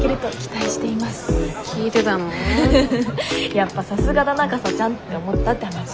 やっぱさすがだなかさちゃんって思ったって話。